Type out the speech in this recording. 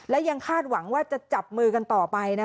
และยังคาดหวังว่าจะจับมือกันต่อไป